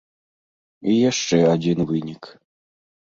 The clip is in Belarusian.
І яшчэ адзін вынік.